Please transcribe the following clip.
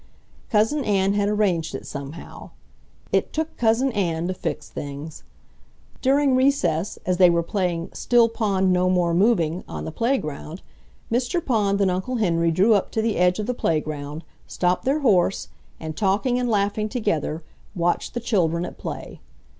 Cousin Ann had arranged it somehow. It took Cousin Ann to fix things! During recess, as they were playing still pond no more moving on the playground, Mr. Pond and Uncle Henry drew up to the edge of the playground, stopped their horse, and, talking and laughing together, watched the children at play.